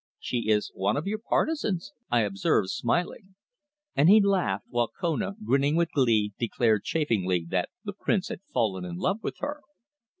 "She is one of your partisans," I observed smiling. And he laughed, while Kona, grinning with glee, declared chaffingly that the Prince had fallen in love with her.